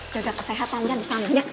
jaga kesehatannya di sana ya